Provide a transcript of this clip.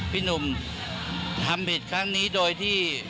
พี่หนุ่มทำผิดครั้งนี้โดยที่